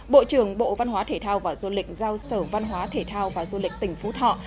bộ trưởng bộ văn hóa thể thao và du lịch giao sở văn hóa thể thao và du lịch tỉnh phú thọ